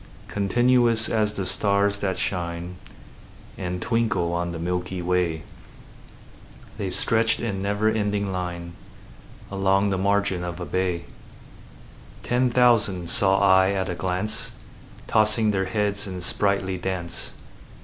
Continuous as the stars that shine And twinkle on the milky way, The stretched in never ending line Along the margin of a bay: Ten thousand saw I at a glance, Tossing their heads in sprightly dance.